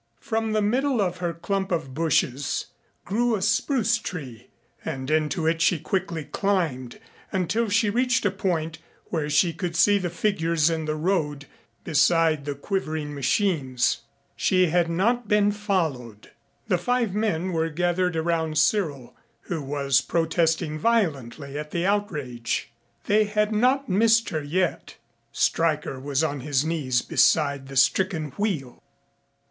From the middle of her clump of bushes grew a spruce tree, and into it she quickly climbed until she reached a point where she could see the figures in the road beside the quivering machines. She had not been followed. The five men were gathered around Cyril, who was protesting violently at the outrage. They had not missed her yet. Stryker was on his knees beside the stricken wheel.